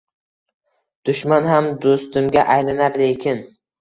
Dushman ham dustimga aylanar lekin